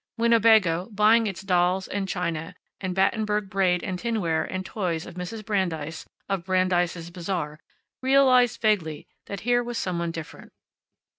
Winnebago, buying its dolls, and china, and Battenberg braid and tinware and toys of Mrs. Brandeis, of Brandeis' Bazaar, realized vaguely that here was some one different.